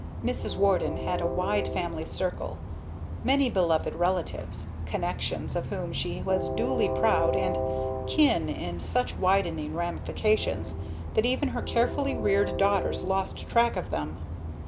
Mrs. Warden had a wide family circle, many beloved relatives, "connections" of whom she was duly proud and "kin" in such widening ramifications that even her carefully reared daughters lost track of them.